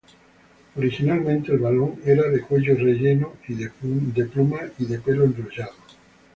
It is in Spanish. Originalmente el balón era de cuero relleno de plumas y de pelo enrollado.